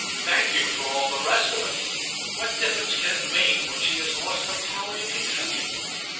"Thank you for all the rest of us! What difference can it make when she has lost her power to contribute?"